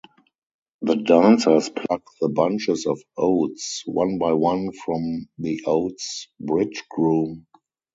The dancers pluck the bunches of oats one by one from the Oats Bridegroom.